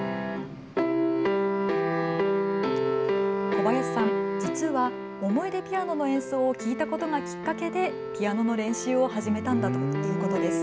小林さん、実はおもいでピアノの演奏を聴いたことがきっかけでピアノの練習を始めたんだということです。